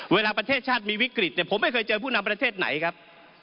ประเทศชาติมีวิกฤตเนี่ยผมไม่เคยเจอผู้นำประเทศไหนครับ